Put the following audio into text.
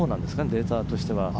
データとしては。